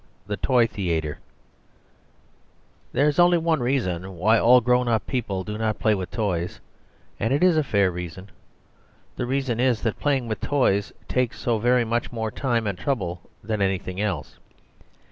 The Toy Theatre There is only one reason why all grown up people do not play with toys; and it is a fair reason. The reason is that playing with toys takes so very much more time and trouble than anything else.